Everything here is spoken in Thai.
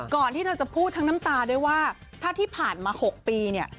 ที่เธอจะพูดทั้งน้ำตาด้วยว่าถ้าที่ผ่านมา๖ปีเนี่ย